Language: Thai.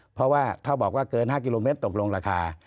เพราะว่าถ้าบอกว่าเกิน๕กิโลเมตรตกลงราคา